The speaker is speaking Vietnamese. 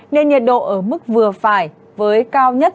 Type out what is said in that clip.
nên nhiệt độ ở mức vừa phải với cao nhất